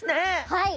はい。